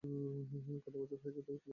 কতো বছর হয়েছে তুমি কলেজ পাশ করেছ?